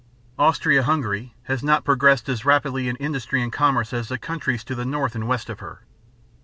Austria Hungary has not progressed as rapidly in industry and commerce as the countries to the north and west of her.